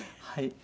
はい。